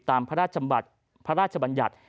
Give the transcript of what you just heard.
ตามพระราชบัญญัติ